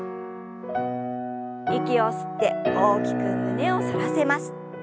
息を吸って大きく胸を反らせます。